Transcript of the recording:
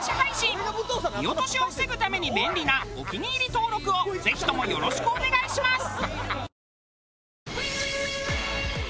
見落としを防ぐために便利なお気に入り登録をぜひともよろしくお願いします。